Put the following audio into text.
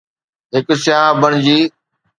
هڪ سياح بڻجي